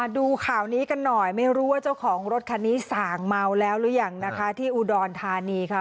ดูข่าวนี้กันหน่อยไม่รู้ว่าเจ้าของรถคันนี้ส่างเมาแล้วหรือยังนะคะที่อุดรธานีค่ะ